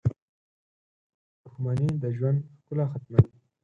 • دښمني د ژوند ښکلا ختموي.